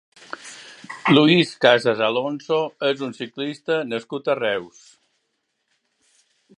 Luis Casas Alonso és un ciclista nascut a Reus.